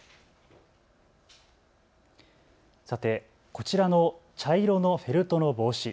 さて、こちらの茶色のフェルトの帽子。